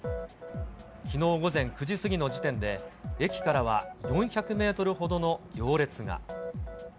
きのう午前９時過ぎの時点で、駅からは４００メートルほどの行列が。